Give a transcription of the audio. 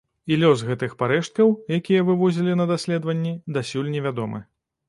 І лёс гэтых парэшткаў, якія вывозілі на даследаванні, дасюль невядомы.